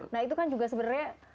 nah itu kan juga sebenarnya